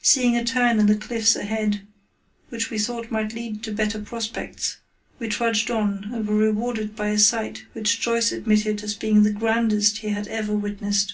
Seeing a turn in the cliffs ahead, which we thought might lead to better prospects, we trudged on, and were rewarded by a sight which Joyce admitted as being the grandest he had ever witnessed.